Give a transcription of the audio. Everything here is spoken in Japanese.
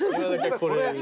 これ。